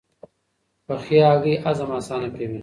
پخې هګۍ هضم اسانه کوي.